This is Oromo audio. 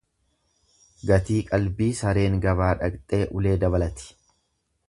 Gatii qalbii sareen gabaa dhaqxee ulee dabalati.